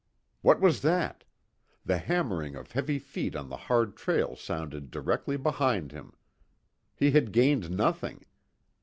What was that? The hammering of heavy feet on the hard trail sounded directly behind him. He had gained nothing.